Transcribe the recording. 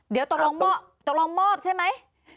เดี๋ยวตกลงมอบใช่ไหม